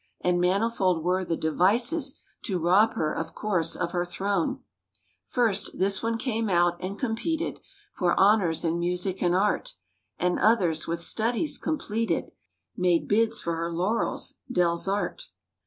And manifold were the devises To rob her, of course, of her throne— First, this one came out and competed For honors in music and art; And others (with studies completed) Made bids for her laurels— delsarte.